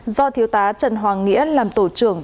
do thiếu tá trần hoàng nghĩa làm tổ trưởng